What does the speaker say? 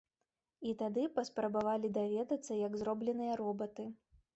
А тады паспрабавалі даведацца, як зробленыя робаты.